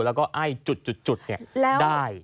แล้วก็ไอจุดเนี่ยได้